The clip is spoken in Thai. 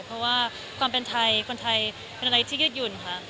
เพราะว่าความเป็นไทยคนไทยเป็นอะไรที่ยืดหยุ่นค่ะ